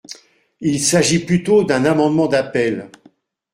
Il s’agit plutôt d’un amendement d’appel.